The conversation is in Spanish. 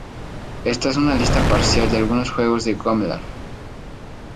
Esta es una lista parcial de algunos juegos de Gameloft.